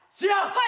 はい。